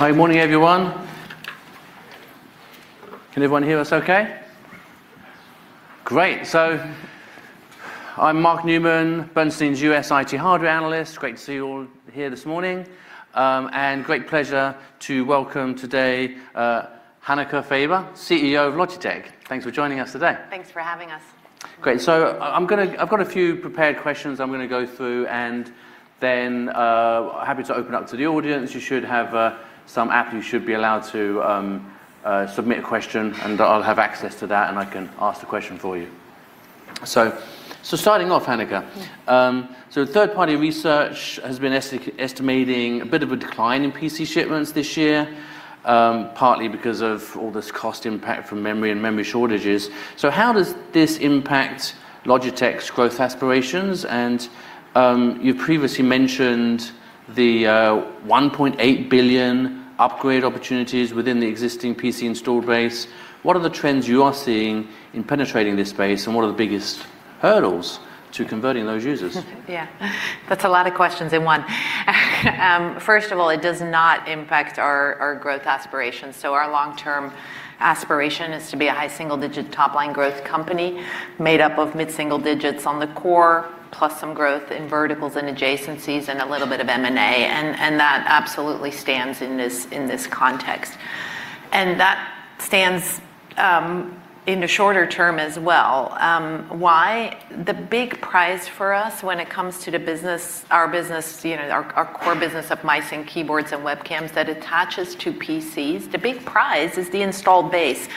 Hi, good morning, everyone. Can everyone hear us okay? Great. I'm Mark Newman, Bernstein's US IT hardware analyst. Great to see you all here this morning, and great pleasure to welcome today, Hanneke Faber, CEO of Logitech. Thanks for joining us today. Thanks for having us. Great. I've got a few prepared questions I'm gonna go through. Happy to open up to the audience. You should have some app. You should be allowed to submit a question. I'll have access to that. I can ask the question for you. Starting off, Henk, third-party research has been estimating a bit of a decline in PC shipments this year, partly because of all this cost impact from memory and memory shortages. How does this impact Logitech's growth aspirations? You previously mentioned the $1.8 billion upgrade opportunities within the existing PC installed base. What are the trends you are seeing in penetrating this space, and what are the biggest hurdles to converting those users? Yeah, that's a lot of questions in one. First of all, it does not impact our growth aspirations. Our long-term aspiration is to be a high single-digit top-line growth company, made up of mid-single digits on the core, plus some growth in verticals and adjacencies and a little bit of M&A. That absolutely stands in this context, and that stands in the shorter term as well. Why? The big prize for us when it comes to the business, our business, you know, our core business of mice and keyboards and webcams that attaches to PCs, the big prize is the installed base.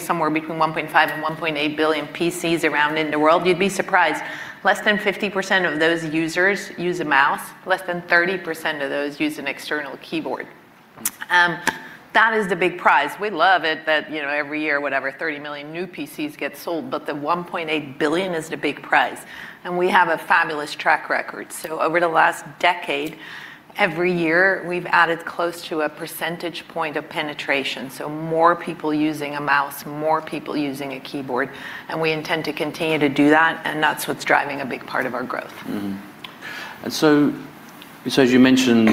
Somewhere between 1.5 and 1.8 billion PCs around in the world. You'd be surprised, less than 50% of those users use a mouse. Less than 30% of those use an external keyboard. That is the big prize. We love it, that, you know, every year, whatever, 30 million new PCs get sold, but the 1.8 billion is the big prize, and we have a fabulous track record. Over the last decade, every year, we've added close to a percentage point of penetration, so more people using a mouse, more people using a keyboard, and we intend to continue to do that, and that's what's driving a big part of our growth. As you mentioned,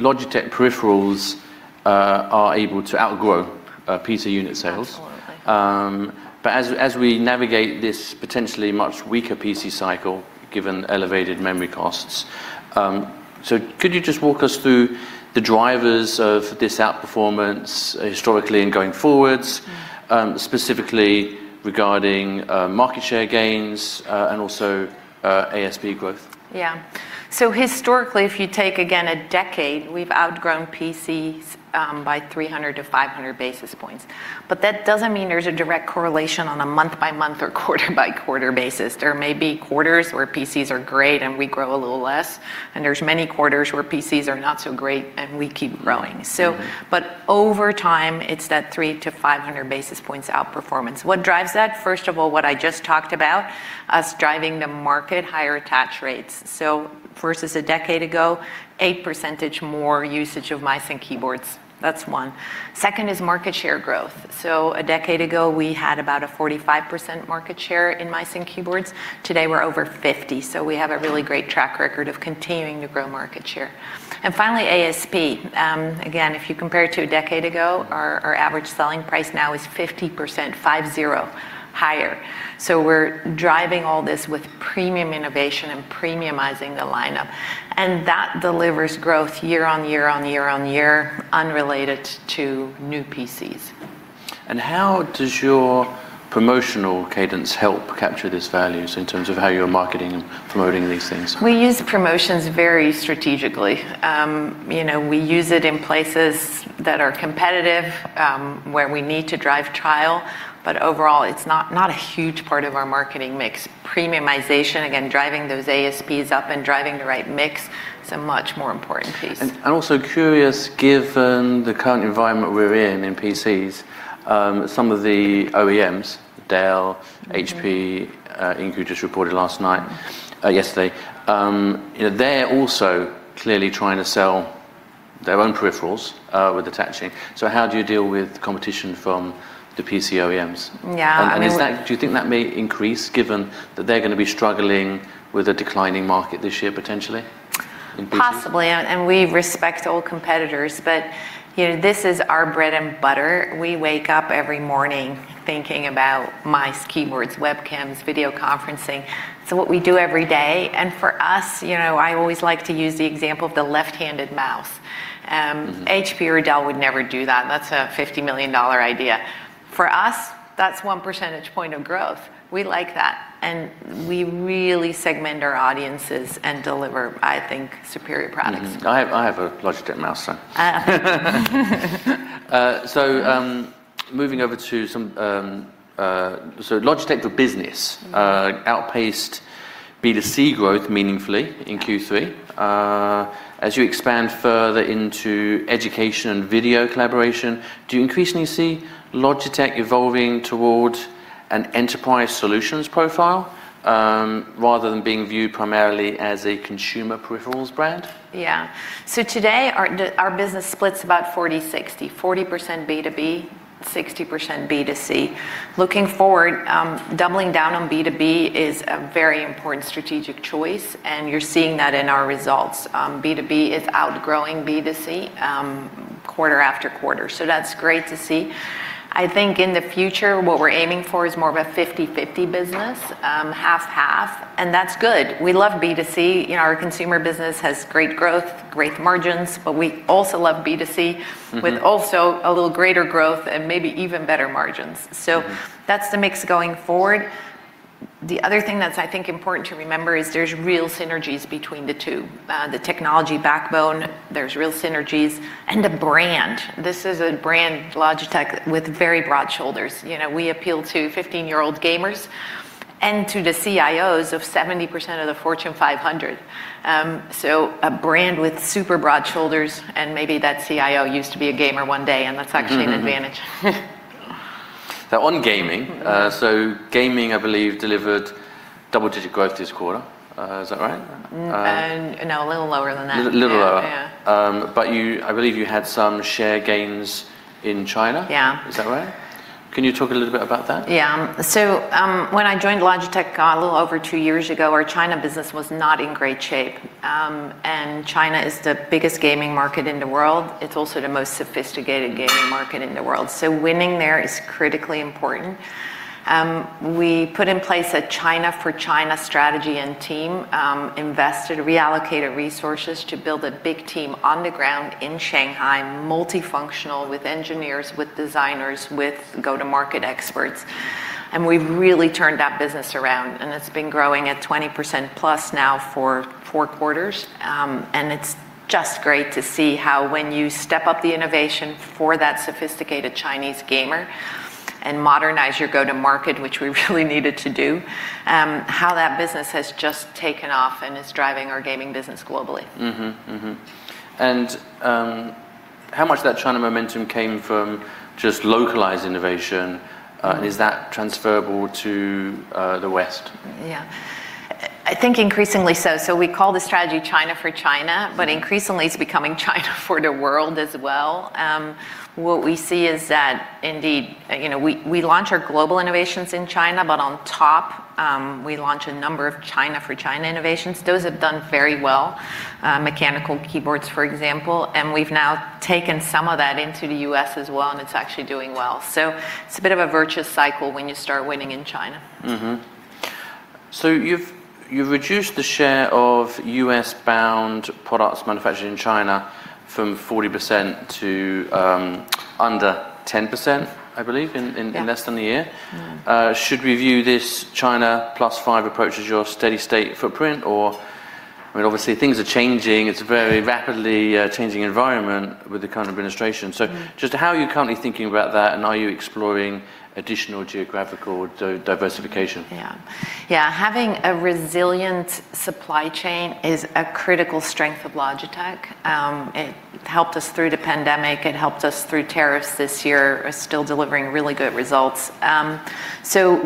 Logitech peripherals are able to outgrow PC unit sales. Absolutely. As we navigate this potentially much weaker PC cycle, given elevated memory costs, could you just walk us through the drivers of this outperformance historically and going forwards? Mm specifically regarding market share gains, and also ASP growth? Yeah. Historically, if you take again a decade, we've outgrown PCs, by 300 to 500 basis points. That doesn't mean there's a direct correlation on a month-by-month or quarter-by-quarter basis. There may be quarters where PCs are great, and we grow a little less, and there's many quarters where PCs are not so great, and we keep growing. Mm-hmm. But over time, it's that 300-500 basis points outperformance. What drives that? First of all, what I just talked about, us driving the market, higher attach rates. Versus a decade ago, 8% more usage of mice and keyboards. That's one. Second is market share growth. A decade ago, we had about a 45% market share in mice and keyboards. Today, we're over 50, so we have a really great track record of continuing to grow market share. And finally, ASP. Again, if you compare it to a decade ago, our average selling price now is 50% higher. We're driving all this with premium innovation and premiumizing the lineup, and that delivers growth year on year on year on year, unrelated to new PCs. How does your promotional cadence help capture these values in terms of how you're marketing and promoting these things? We use promotions very strategically. you know, we use it in places that are competitive, where we need to drive trial, but overall, it's not a huge part of our marketing mix. Premiumization, again, driving those ASPs up and driving the right mix is a much more important piece. I'm also curious, given the current environment we're in PCs, some of the OEMs, Dell- Mm-hmm... HP Inc., who just reported last night, yesterday, you know, they're also clearly trying to sell their own peripherals, with attaching. How do you deal with competition from the PC OEMs? Yeah, I mean- Do you think that may increase, given that they're gonna be struggling with a declining market this year, potentially, in business? Possibly, and we respect all competitors, but, you know, this is our bread and butter. We wake up every morning thinking about mice, keyboards, webcams, video conferencing. It's what we do every day, and for us, you know, I always like to use the example of the left-handed mouse. Mm-hmm... HP or Dell would never do that. That's a $50 million idea. For us, that's 1 percentage point of growth. We like that. We really segment our audiences and deliver, I think, superior products. Mm-hmm. I have a Logitech mouse, so. Moving over to some... Logitech for business- Mm... outpaced B2C growth meaningfully in Q3. As you expand further into education and video collaboration, do you increasingly see Logitech evolving toward an enterprise solutions profile, rather than being viewed primarily as a consumer peripherals brand? Yeah. Today, our business splits about 40-60, 40% B2B, 60% B2C. Looking forward, doubling down on B2B is a very important strategic choice, and you're seeing that in our results. B2B is outgrowing B2C, quarter after quarter, so that's great to see. I think in the future, what we're aiming for is more of a 50-50 business, half-half. That's good. We love B2C. You know, our consumer business has great growth, great margins, but we also love B2C. Mm-hmm With also a little greater growth and maybe even better margins. Mm-hmm. That's the mix going forward. The other thing that's, I think, important to remember is there's real synergies between the two. The technology backbone, there's real synergies and the brand. This is a brand, Logitech, with very broad shoulders. You know, we appeal to 15-year-old gamers and to the CIOs of 70% of the Fortune 500. A brand with super broad shoulders, and maybe that CIO used to be a gamer one day, and that's actually an advantage. Mm-hmm. Now, on gaming. Mm-hmm... gaming, I believe, delivered double-digit growth this quarter. Is that right? No, a little lower than that. Little, little lower. Yeah. Yeah. I believe you had some share gains in China? Yeah. Is that right? Can you talk a little bit about that? Yeah. When I joined Logitech a little over two years ago, our China business was not in great shape. China is the biggest gaming market in the world. It's also the most sophisticated gaming market in the world, so winning there is critically important. We put in place a China for China strategy and team, invested, reallocated resources to build a big team on the ground in Shanghai, multifunctional, with engineers, with designers, with go-to-market experts, and we've really turned that business around, and it's been growing at 20%+ now for four quarters. It's just great to see how when you step up the innovation for that sophisticated Chinese gamer and modernize your go-to market, which we really needed to do, how that business has just taken off and is driving our gaming business globally. Mm-hmm. Mm-hmm. How much of that China momentum came from just localized innovation? Is that transferable to the West? Yeah. I think increasingly so. We call the strategy China for China, but increasingly, it's becoming China for the world as well. What we see is that indeed, you know, we launch our global innovations in China, but on top, we launch a number of China for China innovations. Those have done very well, mechanical keyboards, for example, and we've now taken some of that into the US as well, and it's actually doing well. It's a bit of a virtuous cycle when you start winning in China. You've reduced the share of US-bound products manufactured in China from 40% to under 10%, I believe. Yeah... less than a year. Mm-hmm. Should we view this China-plus-five approach as your steady state footprint, I mean, obviously, things are changing. It's a very rapidly changing environment with the current administration. Mm. Just how are you currently thinking about that, and are you exploring additional geographical diversification? Yeah. Having a resilient supply chain is a critical strength of Logitech. It helped us through the pandemic, it helped us through tariffs this year. We're still delivering really good results.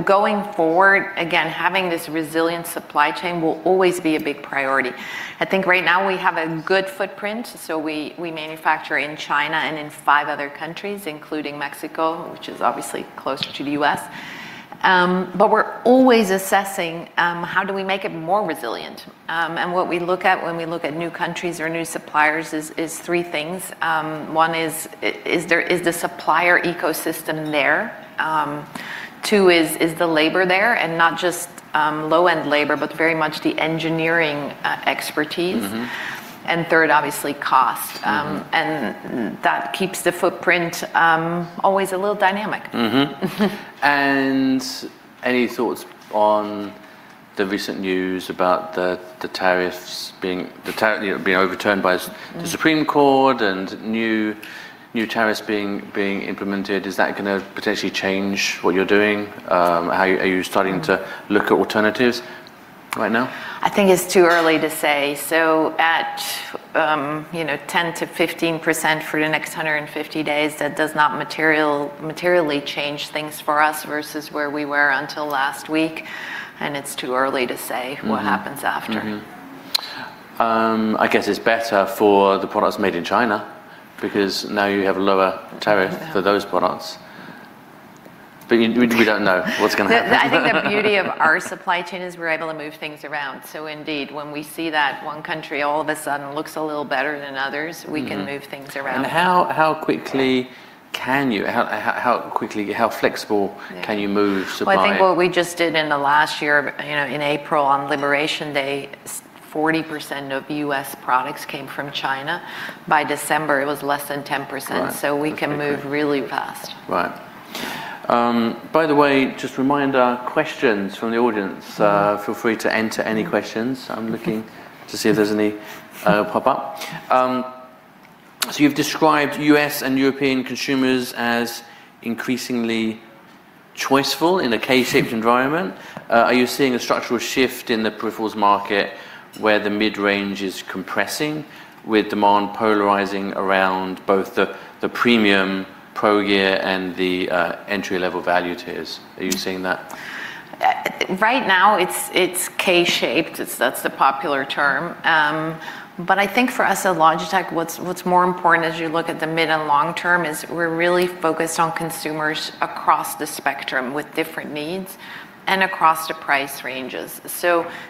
Going forward, again, having this resilient supply chain will always be a big priority. I think right now we have a good footprint, so we manufacture in China and in five other countries, including Mexico, which is obviously closer to the US. But we're always assessing how do we make it more resilient? And what we look at when we look at new countries or new suppliers is three things. One, is there the supplier ecosystem there? Two is the labor there, and not just low-end labor, but very much the engineering expertise. Mm-hmm. third, obviously cost. Mm. That keeps the footprint always a little dynamic. Mm-hmm. Any thoughts on the recent news about the tariffs being, you know, being overturned by the? Mm... Supreme Court and new tariffs being implemented? Is that gonna potentially change what you're doing? How are you starting to look at alternatives right now? I think it's too early to say. At, you know, 10 to 15% for the next 150 days, that does not materially change things for us versus where we were until last week, and it's too early to say. Mm what happens after. I guess it's better for the products made in China, because now you have a lower tariff. Yeah... for those products, but we don't know what's gonna happen. I think the beauty of our supply chain is we're able to move things around. Indeed, when we see that one country all of a sudden looks a little better than others... Mm-hmm We can move things around. How quickly can you, how quickly? Yeah can you move supply? Well, I think what we just did in the last year, you know, in April, on Liberation Day, 40% of U.S. products came from China. By December, it was less than 10%. Right. We can move really fast. Right. By the way, just a reminder, questions from the audience. Mm. Feel free to enter any questions. I'm looking to see if there's any pop up. You've described U.S. and European consumers as increasingly choiceful in a K-shaped environment. Are you seeing a structural shift in the peripherals market, where the mid-range is compressing with demand polarizing around both the premium pro gear and the entry-level value tiers? Are you seeing that? right now, it's K-shaped, that's the popular term. But I think for us at Logitech, what's more important as you look at the mid and long term, is we're really focused on consumers across the spectrum with different needs and across the price ranges.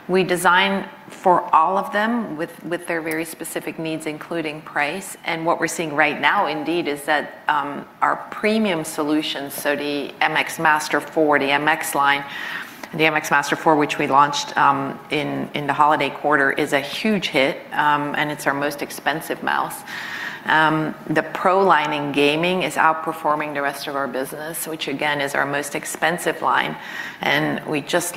We design for all of them, with their very specific needs, including price, and what we're seeing right now, indeed, is that our premium solutions, so the MX Master 4, the MX line, the MX Master 4, which we launched in the holiday quarter, is a huge hit, and it's our most expensive mouse. The Pro line in gaming is outperforming the rest of our business, which, again, is our most expensive line, and we just,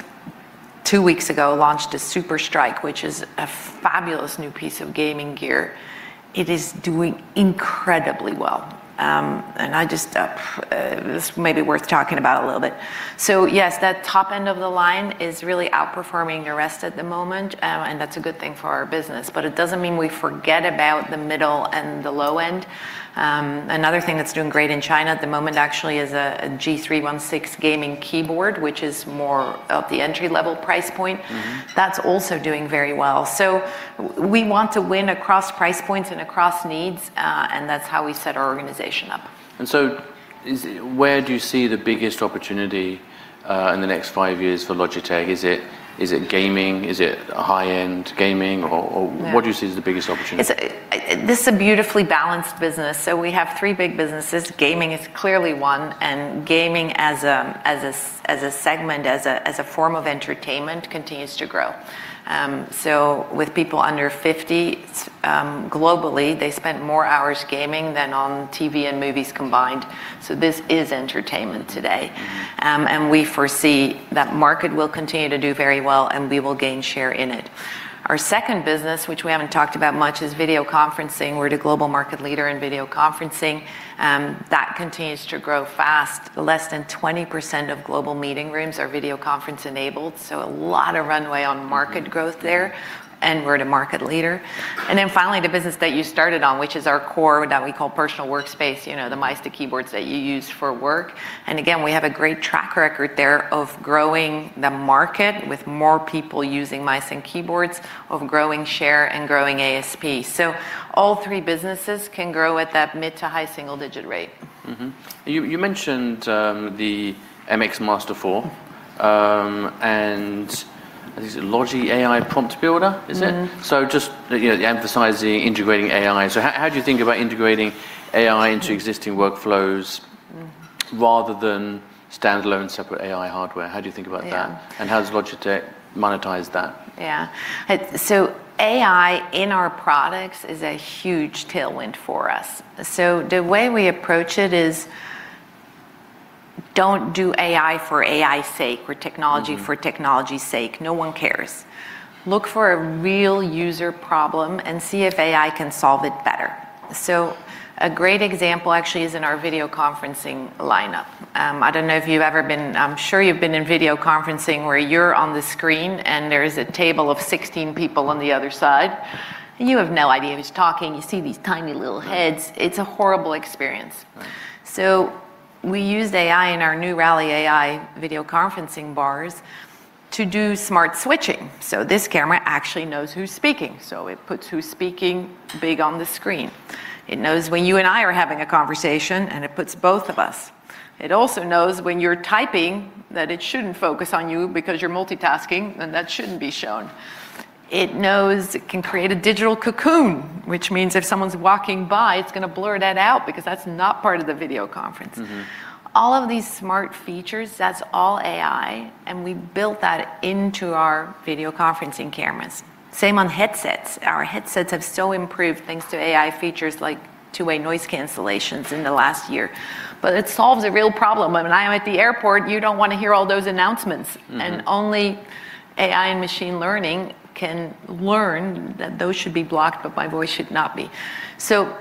two weeks ago, launched the Super Strike, which is a fabulous new piece of gaming gear. It is doing incredibly well. I just. This may be worth talking about a little bit. Yes, that top end of the line is really outperforming the rest at the moment, and that's a good thing for our business. It doesn't mean we forget about the middle and the low end. Another thing that's doing great in China at the moment, actually, is a G316 gaming keyboard, which is more of the entry-level price point. Mm-hmm. That's also doing very well. We want to win across price points and across needs, and that's how we set our organization up. Where do you see the biggest opportunity in the next five years for Logitech? Is it gaming? Is it high-end gaming? Or. No What do you see as the biggest opportunity? It's, this is a beautifully balanced business. We have three big businesses. Gaming is clearly one, and gaming as a segment, as a form of entertainment, continues to grow. With people under 50, globally, they spend more hours gaming than on TV and movies combined. This is entertainment today. Mm. We foresee that market will continue to do very well, and we will gain share in it. Our second business, which we haven't talked about much, is video conferencing. We're the global market leader in video conferencing, that continues to grow fast. Less than 20% of global meeting rooms are video conference-enabled, so a lot of runway on market- Mm... growth there, and we're the market leader. Finally, the business that you started on, which is our core, that we call personal workspace, you know, the mice, the keyboards that you use for work, and again, we have a great track record there of growing the market with more people using mice and keyboards, of growing share and growing ASP. All three businesses can grow at that mid to high single-digit rate. You mentioned the MX Master 4, and is it Logi AI Prompt Builder, is it? Mm. Just, you know, emphasizing integrating AI. How do you think about integrating AI into existing workflows? Mm rather than standalone separate AI hardware? How do you think about that? Yeah. How does Logitech monetize that? Yeah. AI in our products is a huge tailwind for us. The way we approach it is, "Don't do AI for AI's sake or technology- Mm... for technology's sake. No one cares. Look for a real user problem and see if AI can solve it better." A great example actually is in our video conferencing lineup. I'm sure you've been in video conferencing where you're on the screen, and there is a table of 16 people on the other side, and you have no idea who's talking. You see these tiny little heads. Right. It's a horrible experience. Right. We used AI in our new Rally AI video conferencing bars to do smart switching. This camera actually knows who's speaking, so it puts who's speaking big on the screen. It knows when you and I are having a conversation, and it puts both of us. It also knows when you're typing, that it shouldn't focus on you, because you're multitasking, and that shouldn't be shown. It knows it can create a digital cocoon, which means if someone's walking by, it's gonna blur that out because that's not part of the video conference. Mm-hmm. All of these smart features, that's all AI, and we built that into our video conferencing cameras. Same on headsets. Our headsets have so improved, thanks to AI features like two-way noise cancellations in the last year. It solves a real problem. When I am at the airport, you don't want to hear all those announcements. Mm. Only AI and machine learning can learn that those should be blocked, but my voice should not be.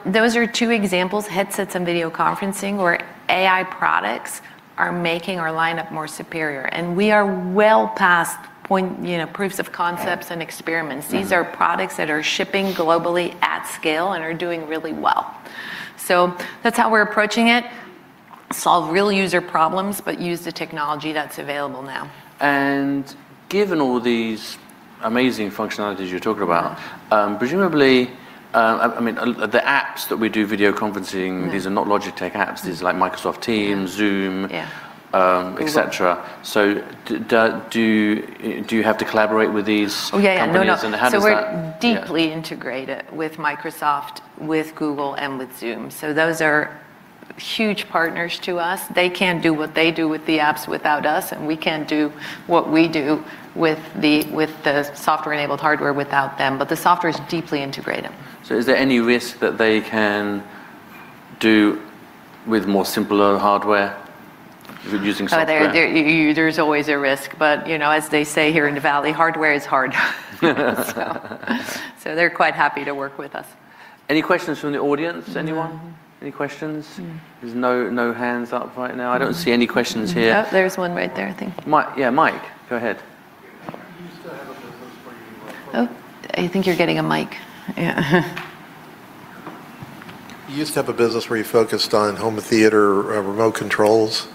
Those are two examples, headsets and video conferencing, where AI products are making our lineup more superior, and we are well past point, you know proofs of concepts. Right and experiments. Mm-hmm. These are products that are shipping globally at scale and are doing really well. That's how we're approaching it: solve real user problems but use the technology that's available now. Given all these amazing functionalities you're talking about- Mm... presumably, I mean, the apps that we do video conferencing- Mm... these are not Logitech apps. These are like Microsoft Teams, Zoom- Yeah..., et cetera. Mm-hmm. Do you have to collaborate with these? Oh, yeah, no.... companies, and how does that... So we're- Yeah... deeply integrated with Microsoft, with Google, and with Zoom. Those are huge partners to us. They can't do what they do with the apps without us, and we can't do what we do with the software-enabled hardware without them, but the software is deeply integrated. Is there any risk that they can do with more simpler hardware with using software? Oh, there, you, there's always a risk, but, you know, as they say here in the Valley, "Hardware is hard." They're quite happy to work with us. Any questions from the audience? Mm, mm. Any questions? Mm. There's no hands up right now. I don't see any questions here. Oh, there's one right there, I think. Yeah, Mike, go ahead. Do you still have a business where you. Oh, I think you're getting a mic. Yeah. You used to have a business where you focused on home theater, remote controls,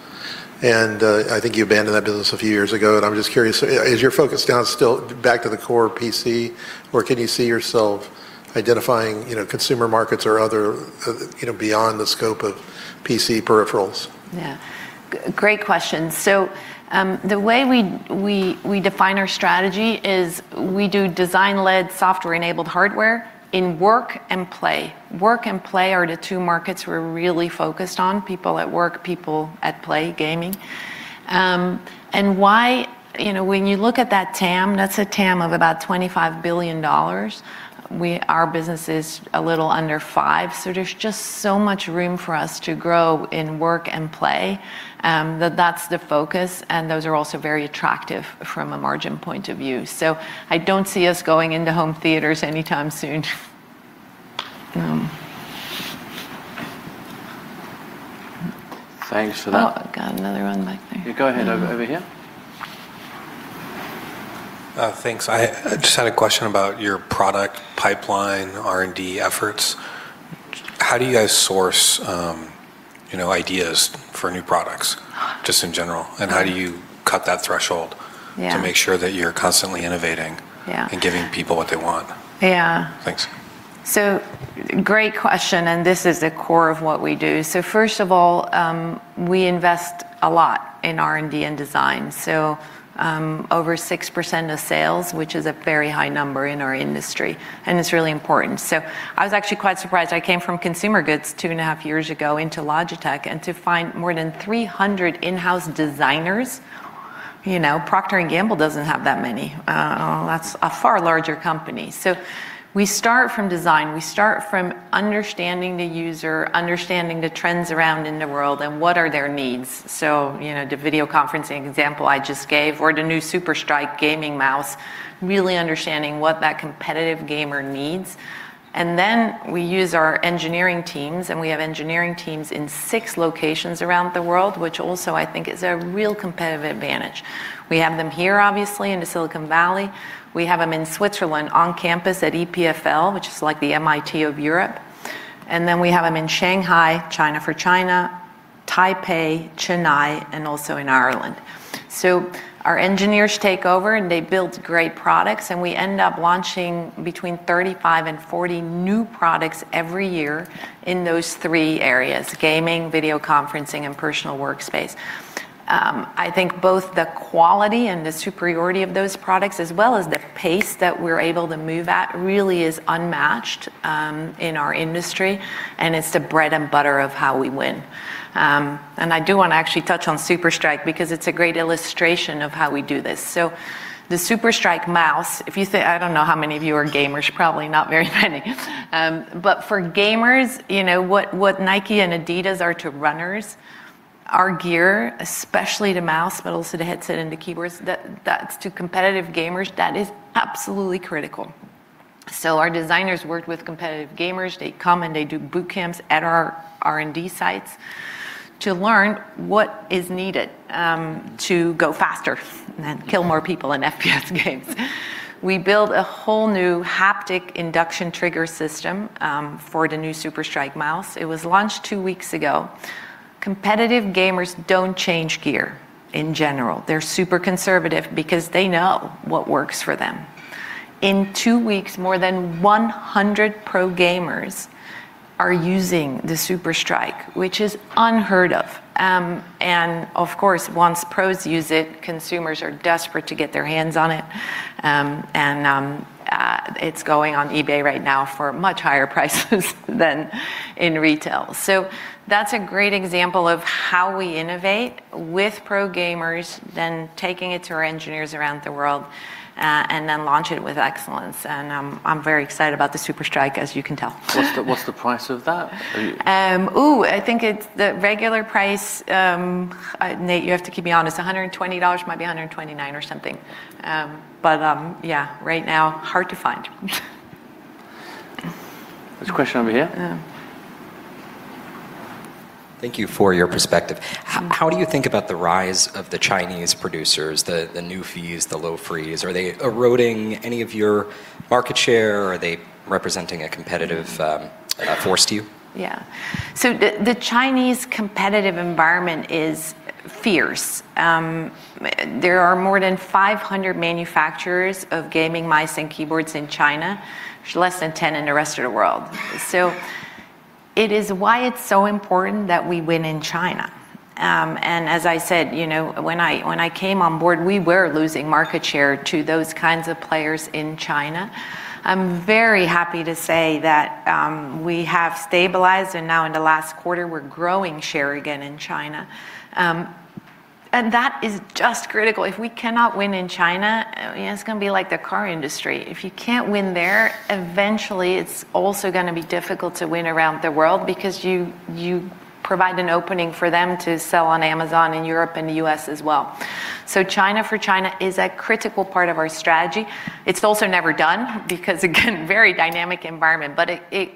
and, I think you abandoned that business a few years ago, and I'm just curious, is your focus now still back to the core PC, or can you see yourself identifying, you know, consumer markets or other, you know, beyond the scope of PC peripherals? Yeah. Great question. The way we define our strategy is we do design-led, software-enabled hardware in work and play. Work and play are the two markets we're really focused on, people at work, people at play, gaming. You know, when you look at that TAM, that's a TAM of about $25 billion. Our business is a little under $5 billion, there's just so much room for us to grow in work and play, that that's the focus, and those are also very attractive from a margin point of view. I don't see us going into home theaters anytime soon. Thanks for that. Oh, I've got another one back there. Yeah, go ahead, over here. Thanks. I just had a question about your product pipeline, R&D efforts. How do you guys source, you know, ideas for new products, just in general? Uh. How do you cut that threshold? Yeah... to make sure that you're constantly innovating. Yeah giving people what they want? Yeah. Thanks. Great question, and this is the core of what we do. First of all, we invest a lot in R&D and design, over 6% of sales, which is a very high number in our industry, and it's really important. I was actually quite surprised. I came from consumer goods two and a half years ago into Logitech, and to find more than 300 in-house designers, you know, Procter & Gamble doesn't have that many. That's a far larger company. We start from design. We start from understanding the user, understanding the trends around in the world, and what are their needs. You know, the video conferencing example I just gave, or the new Superstrike gaming mouse, really understanding what that competitive gamer needs. We use our engineering teams, and we have engineering teams in 6 locations around the world, which also, I think, is a real competitive advantage. We have them here, obviously, in the Silicon Valley. We have them in Switzerland on campus at EPFL, which is like the MIT of Europe, and then we have them in Shanghai, China for China, Taipei, Chennai, and also in Ireland. Our engineers take over, and they build great products, and we end up launching between 35 and 40 new products every year in those 3 areas: gaming, video conferencing, and personal workspace. I think both the quality and the superiority of those products, as well as the pace that we're able to move at, really is unmatched in our industry, and it's the bread and butter of how we win. I do want to actually touch on Superstrike because it's a great illustration of how we do this. The Superstrike mouse, if you say... I don't know how many of you are gamers, probably not very many. For gamers, you know what Nike and Adidas are to runners, our gear, especially the mouse, but also the headset and the keyboards, that's to competitive gamers, that is absolutely critical. Our designers work with competitive gamers. They come, and they do boot camps at our R&D sites to learn what is needed to go faster and then kill more people in FPS games. We built a whole new Haptic Inductive Trigger System for the new Superstrike mouse. It was launched 2 weeks ago. Competitive gamers don't change gear in general. They're super conservative because they know what works for them. In two weeks, more than 100 pro gamers are using the Superstrike, which is unheard of. Of course, once pros use it, consumers are desperate to get their hands on it. It's going on eBay right now for much higher prices than in retail. That's a great example of how we innovate with pro gamers, then taking it to our engineers around the world, then launch it with excellence, and I'm very excited about the Superstrike, as you can tell. What's the price of that? I think it's the regular price, Nate, you have to keep me honest. $120, might be $129 or something. Yeah, right now, hard to find. There's a question over here. Yeah. Thank you for your perspective. Mm-hmm. How do you think about the rise of the Chinese producers, the new fees, the low fees? Are they eroding any of your market share, or are they representing a competitive force to you? The Chinese competitive environment is fierce. There are more than 500 manufacturers of gaming mice and keyboards in China. There's less than 10 in the rest of the world. It is why it's so important that we win in China. As I said, you know, when I came on board, we were losing market share to those kinds of players in China. I'm very happy to say that we have stabilized, and now in the last quarter, we're growing share again in China. That is just critical. If we cannot win in China, it's gonna be like the car industry. If you can't win there, eventually, it's also gonna be difficult to win around the world because you provide an opening for them to sell on Amazon, in Europe, and the US as well. China for China is a critical part of our strategy. It's also never done because again, very dynamic environment, but it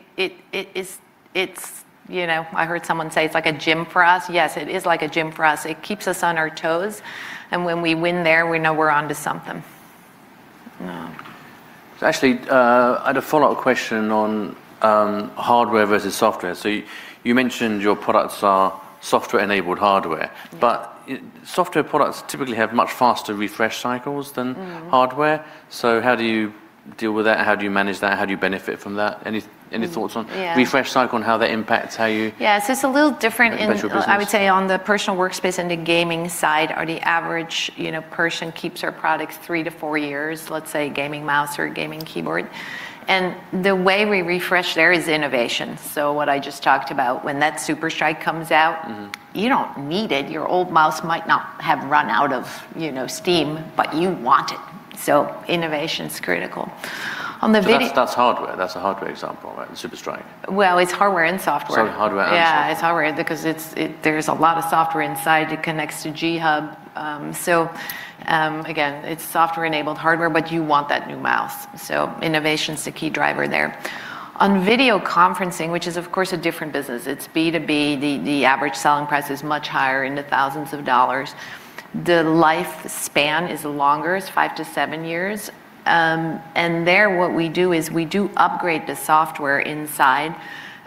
is, it's... You know, I heard someone say it's like a gym for us. Yes, it is like a gym for us. It keeps us on our toes, and when we win there, we know we're onto something.... Actually, I had a follow-up question on hardware versus software. You mentioned your products are software-enabled hardware. Mm-hmm. software products typically have much faster refresh cycles than... Mm-hmm... hardware. How do you deal with that? How do you manage that? How do you benefit from that? Any thoughts on- Yeah... refresh cycle and how that impacts. Yeah, it's a little different. In your business. I would say, on the personal workspace and the gaming side, or the average, you know, person keeps our products three to four years, let's say, a gaming mouse or a gaming keyboard. The way we refresh there is innovation. What I just talked about, when that Superstrike comes out... Mm-hmm... you don't need it. Your old mouse might not have run out of, you know, steam, but you want it. Innovation's critical. On the video- That's hardware, that's a hardware example, right, the SUPERSTRIKE? Well, it's hardware and software. Hardware and software. Yeah, it's hardware because there's a lot of software inside. It connects to G Hub. Again, it's software-enabled hardware, but you want that new mouse, innovation's the key driver there. On video conferencing, which is, of course, a different business, it's B2B, the average selling price is much higher, into thousands of dollars. The life span is longer, it's 5 to 7 years. There, what we do is we do upgrade the software inside,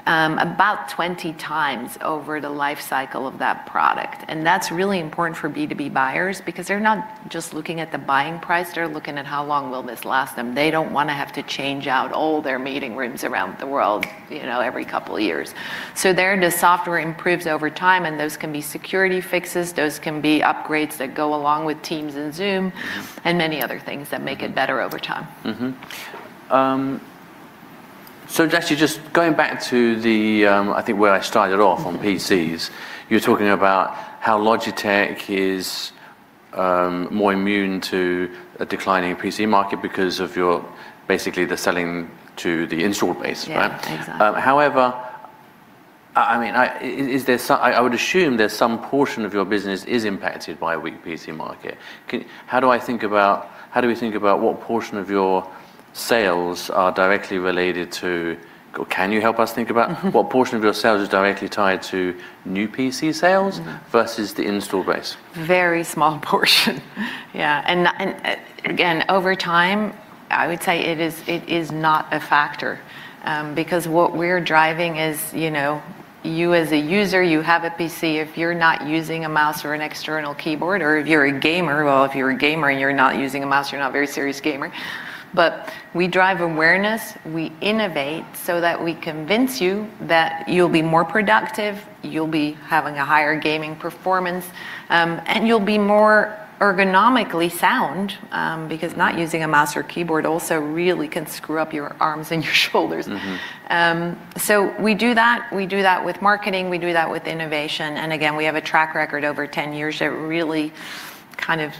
about 20x over the life cycle of that product. That's really important for B2B buyers because they're not just looking at the buying price, they're looking at how long will this last them. They don't wanna have to change out all their meeting rooms around the world, you know, every couple of years. There, the software improves over time, and those can be security fixes, those can be upgrades that go along with Microsoft Teams and Zoom, and many other things that make it better over time. Just going back to the, I think where I started off on PCs, you were talking about how Logitech is more immune to a declining PC market because of your... basically, the selling to the installed base, right? Yeah, exactly. However, I mean, I would assume there's some portion of your business is impacted by a weak PC market. How do we think about what portion of your sales are directly related to? Mm-hmm... what portion of your sales is directly tied to new PC sales. Mm-hmm versus the installed base? Very small portion. Yeah, again, over time, I would say it is not a factor. What we're driving is, you know, you as a user, you have a PC. If you're not using a mouse or an external keyboard, or if you're a gamer, well, if you're a gamer and you're not using a mouse, you're not a very serious gamer. We drive awareness, we innovate so that we convince you that you'll be more productive, you'll be having a higher gaming performance, and you'll be more ergonomically sound. Not using a mouse or keyboard also really can screw up your arms and your shoulders. Mm-hmm. We do that. We do that with marketing, we do that with innovation. Again, we have a track record over 10 years that really kind of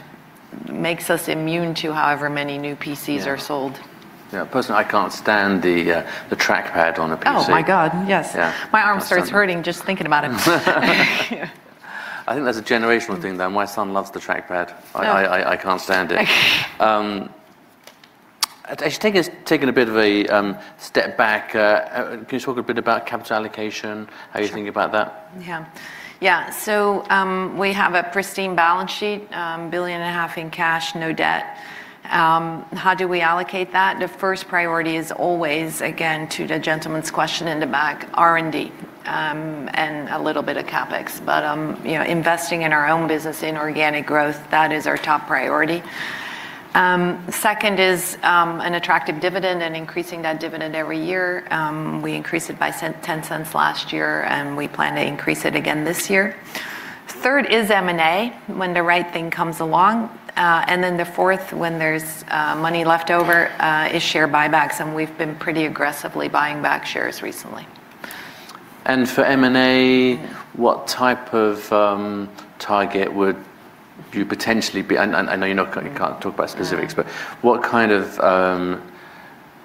makes us immune to however many new PCs are sold. Yeah. Yeah, personally, I can't stand the trackpad on a PC. Oh, my God, yes! Yeah. My arm starts hurting just thinking about it. I think that's a generational thing, though. My son loves the trackpad. Yeah. I can't stand it. I just taking a bit of a step back, can you talk a bit about capital allocation? Sure. How you think about that? We have a pristine balance sheet, CHF a billion and a half in cash, no debt. How do we allocate that? The first priority is always, again, to the gentleman's question in the back, R&D, and a little bit of CapEx. You know, investing in our own business in organic growth, that is our top priority. Second is an attractive dividend and increasing that dividend every year. We increased it by 0.10 last year, and we plan to increase it again this year. Third is M&A, when the right thing comes along. The fourth, when there's money left over, is share buybacks, and we've been pretty aggressively buying back shares recently. For M&A, what type of target would you potentially be? I know can't talk about specifics. Yeah... but what kind of,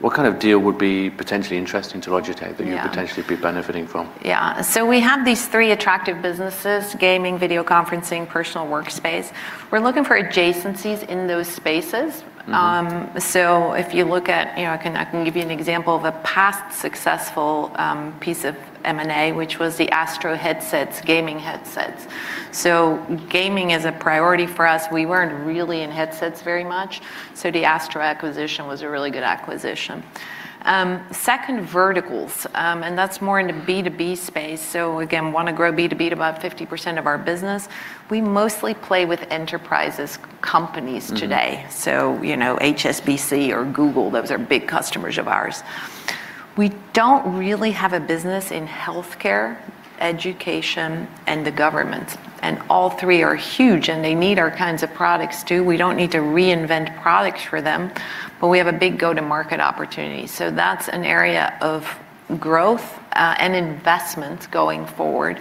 what kind of deal would be potentially interesting to Logitech? Yeah that you'd potentially be benefiting from? Yeah. We have these three attractive businesses: gaming, video conferencing, personal workspace. We're looking for adjacencies in those spaces. Mm-hmm. If you look at, you know, I can give you an example of a past successful piece of M&A, which was the ASTRO headsets, gaming headsets. Gaming is a priority for us. We weren't really in headsets very much, so the ASTRO acquisition was a really good acquisition. Second, verticals, that's more in the B2B space. Again, we wanna grow B2B to about 50% of our business. We mostly play with enterprises, companies today. Mm-hmm. You know, HSBC or Google, those are big customers of ours. We don't really have a business in healthcare, education, and the government, and all three are huge, and they need our kinds of products, too. We don't need to reinvent products for them, but we have a big go-to-market opportunity. That's an area of growth and investment going forward.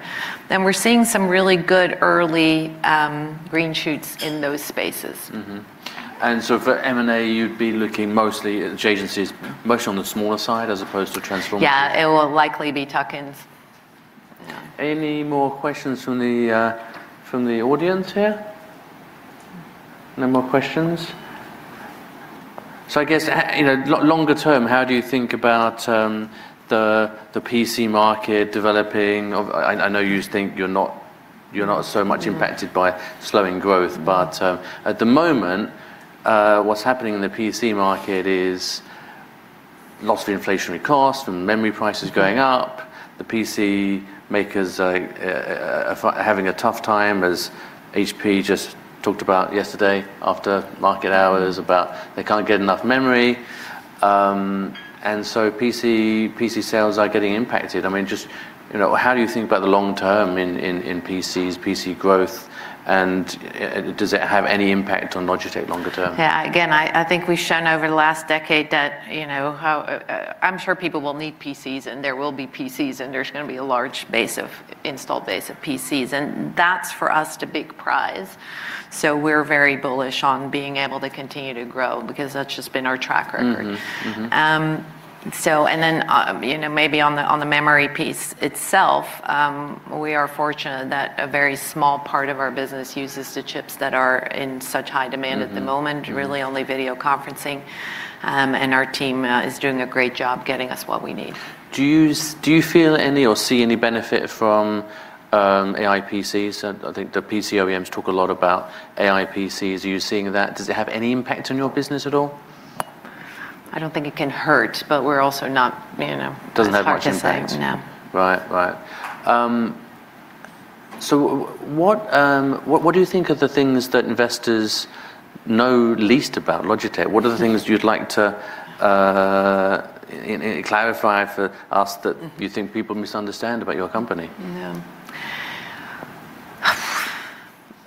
We're seeing some really good early green shoots in those spaces. Mm-hmm. For M&A, you'd be looking mostly at adjacencies, mostly on the smaller side, as opposed to transforming- Yeah, it will likely be tuck-ins. Yeah. Any more questions from the audience here? No more questions? I guess, you know, longer term, how do you think about the PC market developing of... I know you think you're not so much impacted- Mm-hmm. -by slowing growth. At the moment, what's happening in the PC market is lots of inflationary costs from memory prices going up. The PC makers are having a tough time, as HP just talked about yesterday after market hours, about they can't get enough memory. PC sales are getting impacted. I mean, just, you know, how do you think about the long term in PCs, PC growth, and does it have any impact on Logitech longer term? Yeah. Again, I think we've shown over the last decade that, you know, how I'm sure people will need PCs, and there will be PCs, and there's gonna be a large installed base of PCs, and that's for us, the big prize. We're very bullish on being able to continue to grow because that's just been our track record. Mm-hmm. Mm-hmm. You know, maybe on the, on the memory piece itself, we are fortunate that a very small part of our business uses the chips that are in such high demand... Mm-hmm at the moment, really only video conferencing. Our team is doing a great job getting us what we need. Do you feel any or see any benefit from AI PCs? I think the PC OEMs talk a lot about AI PCs. Are you seeing that? Does it have any impact on your business at all? I don't think it can hurt, but we're also not, you know, it's hard to say. Doesn't have much impact? No. Right. Right. What do you think are the things that investors know least about Logitech? Mm. What are the things you'd like to clarify for us? Mm... that you think people misunderstand about your company?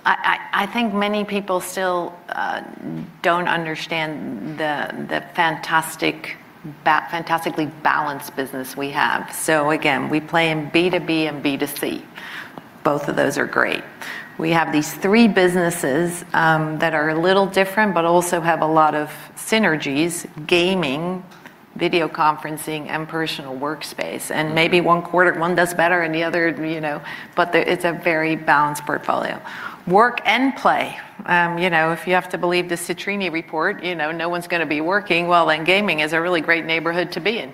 Yeah. I think many people still don't understand the fantastically balanced business we have. Again, we play in B2B and B2C. Both of those are great. We have these three businesses that are a little different but also have a lot of synergies: gaming, video conferencing, and personal workspace. Mm-hmm. Maybe one quarter, one does better than the other, you know, but it's a very balanced portfolio. Work and play. You know, if you have to believe the Citi GPS report, you know, no one's gonna be working. Well, then gaming is a really great neighborhood to be in.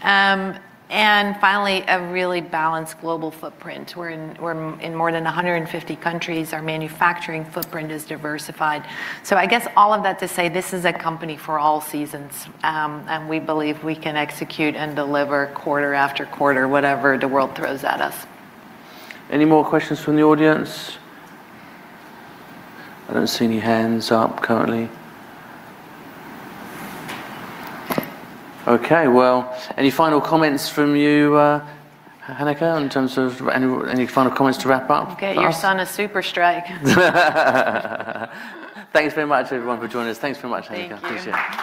Finally, a really balanced global footprint. We're in, we're in more than 150 countries. Our manufacturing footprint is diversified. I guess all of that to say this is a company for all seasons, and we believe we can execute and deliver quarter after quarter, whatever the world throws at us. Any more questions from the audience? I don't see any hands up currently. Okay, well, any final comments from you, Hanneke, in terms of any final comments to wrap up for us? Get your son a Super Strike. Thanks very much, everyone, for joining us. Thanks very much, Hanneke. Thank you. Appreciate it.